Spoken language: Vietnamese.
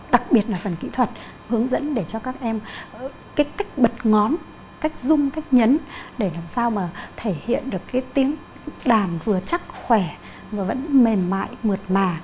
đặc biệt là phần kỹ thuật hướng dẫn để cho các em cái cách bật ngón cách dung cách nhấn để làm sao mà thể hiện được cái tiếng đàn vừa chắc khỏe và vẫn mềm mại mượt mà